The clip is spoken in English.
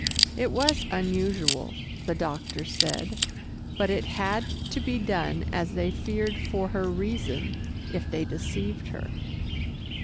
It was unusual, the doctor said, but it had to be done, as they feared for her reason, if they deceived her.